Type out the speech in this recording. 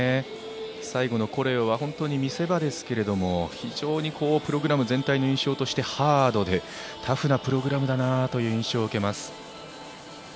最後のコレオは本当に見せ場ですけど非常にプログラム全体の印象としてハードでタフなプログラムという印象を受けます。